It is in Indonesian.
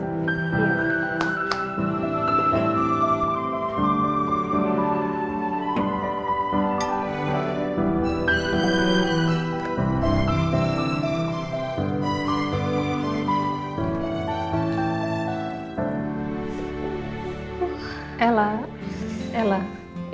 kamu minum perlahan lahan